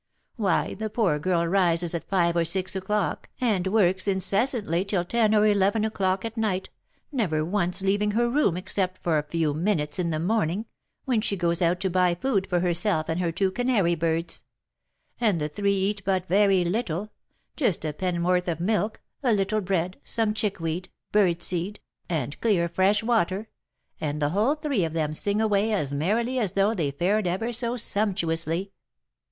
Why, the poor girl rises at five or six o'clock, and works incessantly till ten or eleven o'clock at night, never once leaving her room except for a few minutes in the morning, when she goes out to buy food for herself and her two canary birds; and the three eat but very little, just a penn'orth of milk, a little bread, some chickweed, bird seed, and clear fresh water, and the whole three of them sing away as merrily as though they fared ever so sumptuously.